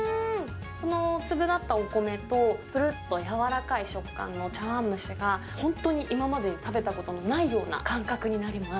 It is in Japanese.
この粒だったお米と、ぷるっと柔らかい食感の茶わん蒸しが、本当に今までに食べたことのないような感覚になります。